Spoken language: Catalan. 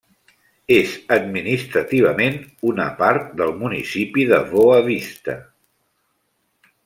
És administrativament una part del municipi de Boa Vista.